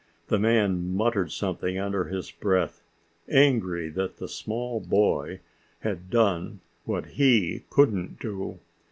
The man muttered something under his breath, angry that a small boy had done what he couldn't do.